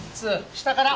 下から。